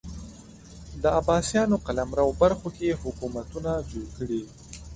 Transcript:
د عباسیانو قلمرو برخو کې حکومتونه جوړ کړي